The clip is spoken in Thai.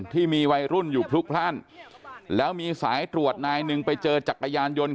ที่มีวัยรุ่นอยู่พลุกพลาดแล้วมีสายตรวจนายหนึ่งไปเจอจักรยานยนต์